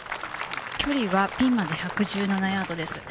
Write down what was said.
距離はピンまで１１７ヤードです。